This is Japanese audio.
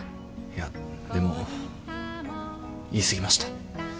いやでも言い過ぎました。